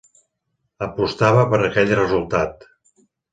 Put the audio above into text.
Apostava per aquell resultat.